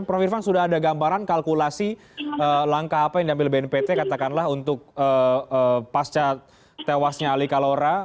prof irvan sudah ada gambaran kalkulasi langkah apa yang diambil bnpt katakanlah untuk pasca tewasnya ali kalora